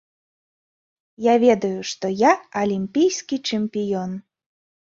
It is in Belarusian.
Я ведаю, што я алімпійскі чэмпіён.